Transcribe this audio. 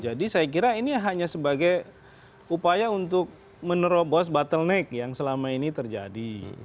jadi saya kira ini hanya sebagai upaya untuk menerobos bottleneck yang selama ini terjadi